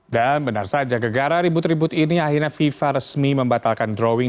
dan benar saja gegara ribut ribut ini akhirnya fifa resmi membatalkan drawing